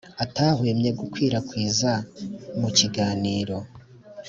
atahwemye gukwirakwiza. Mu kiganiro